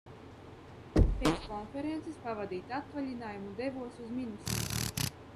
Pēc konferences pavadīt atvaļinājumu devos uz Minusinsku.